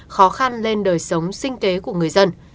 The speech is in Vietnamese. khó khăn lên đời sống sinh kế của người dân